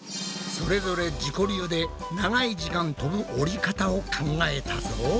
それぞれ自己流で長い時間飛ぶ折り方を考えたぞ。